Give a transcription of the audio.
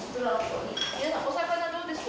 皆さんお魚どうですか？